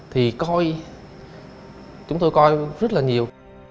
thì coi chúng tôi coi rất là nhiều